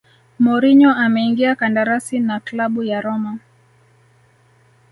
mourinho ameingia kandarasi na klabu ya roma